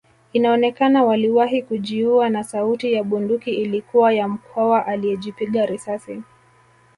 Inaonekana waliwahi kujiua na sauti ya bunduki ilikuwa ya Mkwawa aliyejipiga risasi